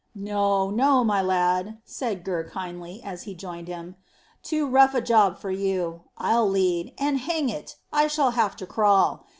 "No, no, my lad," said Gurr kindly, as he joined him. "Too rough a job for you. I'll lead, and, hang it! I shall have to crawl.